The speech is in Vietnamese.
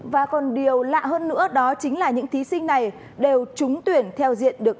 và còn điều lạ hơn nữa đó chính là những thí sinh này đều trúng tuyển theo diện được